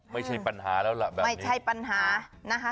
ไม่ใช่ปัญหาแล้วล่ะแบบไม่ใช่ปัญหานะคะ